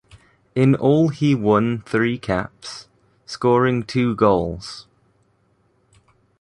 In all he won three caps, scoring two goals.